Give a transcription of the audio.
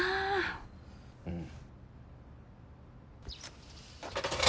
うん。